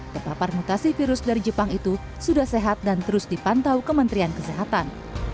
kepapar mutasi virus dari jepang itu sudah sehat dan terus dipantau kementerian kesehatan